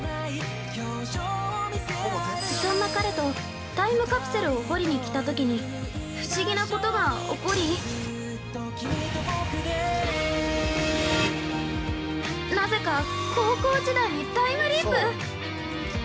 そんな彼とタイプカプセルを掘りに来たときに不思議なことが起こりなぜか高校時代にタイプリープ！？